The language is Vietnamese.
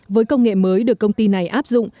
với những vấn đề mới được công ty này áp dụng